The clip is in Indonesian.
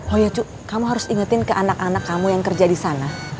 oh ya kamu harus ingetin ke anak anak kamu yang kerja di sana